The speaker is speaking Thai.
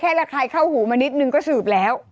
แค่ละคลายเข้าหูมานิดหนึ่งก็สืบแล้ว